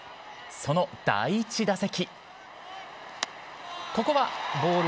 その第１打席。